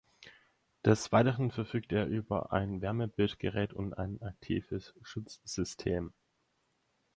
Des Weiteren verfügt er über ein Wärmebildgerät und ein aktives Schutzsystem.